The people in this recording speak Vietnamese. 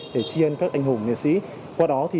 để chiên các anh hùng nghệ sĩ